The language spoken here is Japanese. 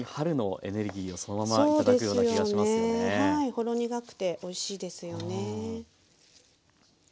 ほろ苦くておいしいですよね。